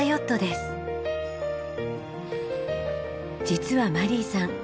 実はマリーさん